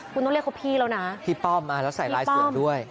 คุณต้องเรียกเขาพี่แล้วนะพี่ป้อมแล้วใส่ลายเสือด้วย